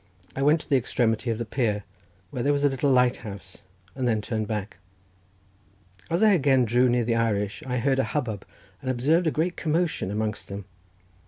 I went to the extremity of the pier, where was a little light house, and then turned back. As I again drew near the Irish, I heard a hubbub, and observed a great commotion amongst them.